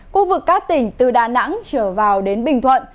khu vực các tỉnh từ đà nẵng trở vào đến bình thuận